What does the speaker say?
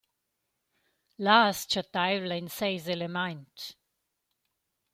Là as chattaiv’la in seis elemaint.